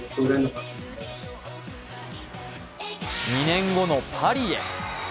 ２年後のパリへ。